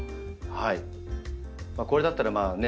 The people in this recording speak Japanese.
これだったらまあね